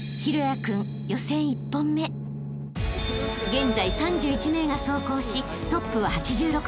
［現在３１名が走行しトップは８６ポイント］